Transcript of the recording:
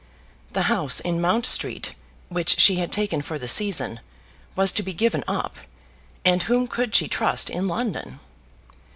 The house in Mount Street, which she had taken for the season, was to be given up; and whom could she trust in London?